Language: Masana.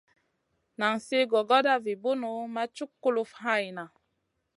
Nan sli gogoda vi bunu ma cuk kulufn hayna.